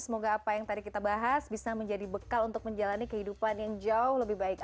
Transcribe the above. semoga apa yang tadi kita bahas bisa menjadi bekal untuk menjalani kehidupan yang jauh lebih baik